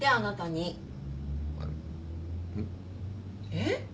えっ？